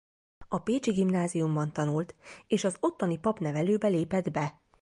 A pécsi gimnáziumban tanult és az ottani papnevelőbe lépett be.